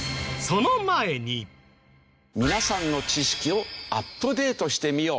皆さんの知識をアップデートしてみよう！